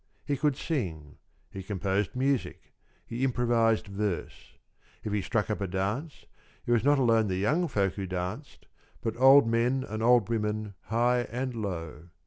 He could sing; he composed music; he improvised verse. If he struck up a dance, it was not alone the young folk who danced, but old men and old women, high and low.